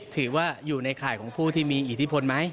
ถือว่าอยู่ในข่ายของผู้ที่มีอิทธิพลไหม